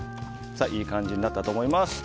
いい感じになったと思います。